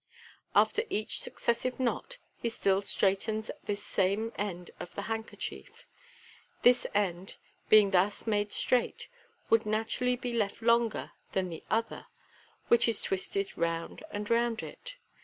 After each successive knot he still straightens this same end of the handkerchief. This end, being thus made Straight, would naturally be left longer than the other which is twisted round and round it.